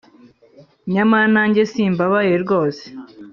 nyamara nanjye simbabaye rwose.